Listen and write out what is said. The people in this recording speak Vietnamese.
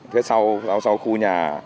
phía sau sau khu nhà